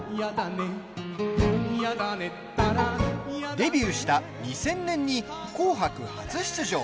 デビューした２０００年に「紅白」初出場。